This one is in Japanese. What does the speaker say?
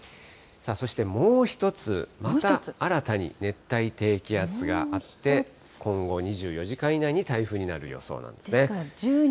そしてもう一つまた新たに熱帯低気圧があって、今後２４時間以内に台風になる予想なんですね。